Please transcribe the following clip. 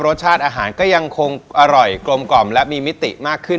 รสชาติอาหารก็ยังคงอร่อยกลมกล่อมและมีมิติมากขึ้น